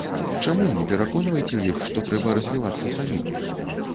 Чаму не пераконваеце іх, што трэба развівацца самім?